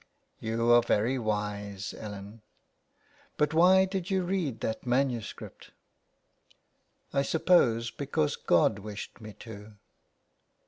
''" You are very wise, Ellen. But why did you read that manuscript ?"" I suppose because God wished me to."